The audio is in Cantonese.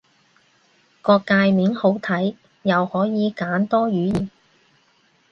個介面好睇，又可以揀多語言